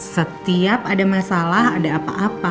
setiap ada masalah ada apa apa